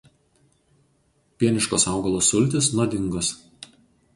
Pieniškos augalo sultys nuodingos.